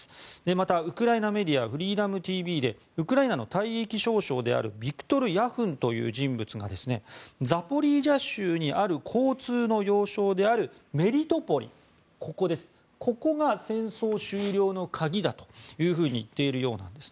また、ウクライナメディアフリーダムＴＶでウクライナの退役少将であるビクトル・ヤフンという人物がザポリージャ州にある交通の要衝であるメリトポリここが戦争終了の鍵だと言っているようなんです。